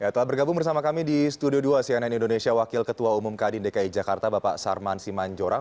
telah bergabung bersama kami di studio dua cnn indonesia wakil ketua umum kadin dki jakarta bapak sarman simanjorang